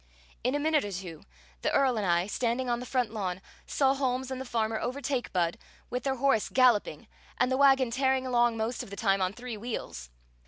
In a minute or two, the Earl and I, standing on the front lawn, saw Holmes and the farmer overtake Budd, with their horse galloping, and the wagon tearing along most of the time on three wheels.